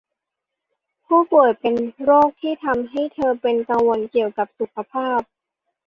ผู้ป่วยเป็นโรคที่ทำให้เธอเป็นกังวลเกี่ยวกับสุขภาพ